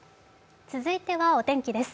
続いてはお天気です。